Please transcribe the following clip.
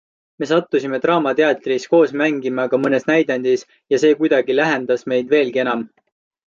Me sattusime Draamateatris koos mängima ka mõnes näidendis ja see kuidagi lähendas meid veelgi enam.